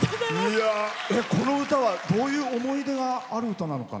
この歌は、どういう思い出がある歌なのかな？